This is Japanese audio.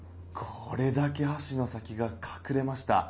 これだけ箸の先が隠れました。